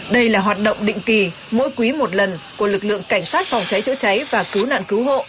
đây là hoạt động định kỳ mỗi quý một lần của lực lượng cảnh sát phòng cháy chữa cháy và cứu nạn cứu hộ